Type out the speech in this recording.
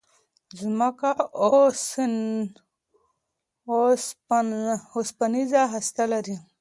ځمکه اوسپنيزه هسته لري.